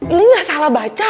ini gak salah baca